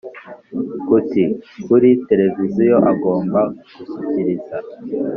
Kuti kuri televiziyo agomba gushyikiriza